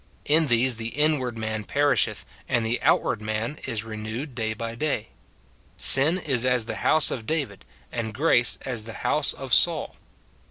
In these the inward man perisheth, and the outward man is re newed day by day. Sin is as the house of David, and SIN IN BELIEVERS. 161 grace as tlie house of Saul.